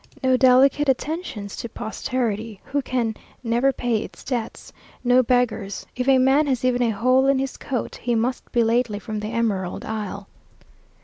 No delicate attentions to posterity, who can never pay its debts. No beggars. If a man has even a hole in his coat, he must be lately from the Emerald Isle.